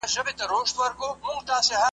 ټوټې ټوتې ښه یې ګرېوانه پر ما ښه لګیږي ,